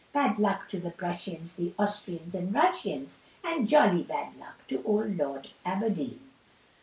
Bad luck to the Prussians, the Austrians, and Russians, And jolly bad luck to old Lord Aberdeen.